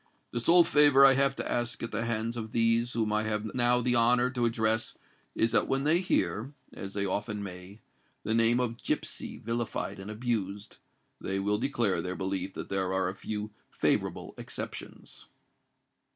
The sole favour I have to ask at the hands of these whom I have now the honour to address, is that when they hear—as they often may—the name of Gipsy vilified and abused, they will declare their belief that there are a few favourable exceptions."